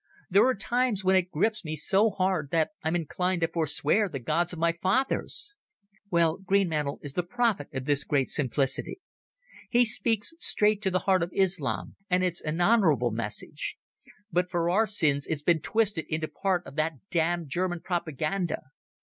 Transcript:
There are times when it grips me so hard that I'm inclined to forswear the gods of my fathers! "Well, Greenmantle is the prophet of this great simplicity. He speaks straight to the heart of Islam, and it's an honourable message. But for our sins it's been twisted into part of that damned German propaganda.